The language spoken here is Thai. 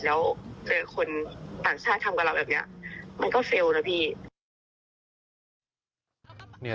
แล้วเจอคนต่างชาติทำกับเราแบบนี้มันก็เซลล์นะพี่